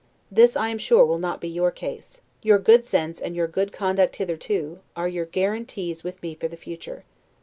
This I am sure will not be your case; your good sense and your good conduct hitherto are your guarantees with me for the future.